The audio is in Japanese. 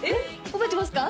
覚えてますか？